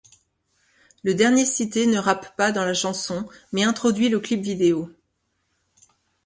Le dernier cité ne rappe pas dans la chanson mais introduit le clip vidéo.